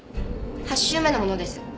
８週目のものです。